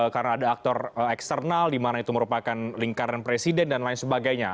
karena ada aktor eksternal di mana itu merupakan lingkaran presiden dan lain sebagainya